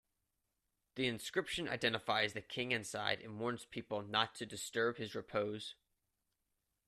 The inscription identifies the king inside and warns people not to disturb his repose.